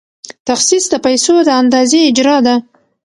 تخصیص د پیسو د اندازې اجرا ده.